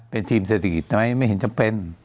เป็นทีมเศรษฐกิจไหมไม่เห็นจำเป็น